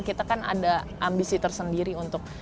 kita kan ada ambisi tersendiri untuk